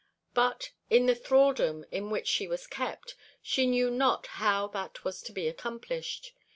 But, in the thraldom in which she was kept, she knew not how that was to be accomplished.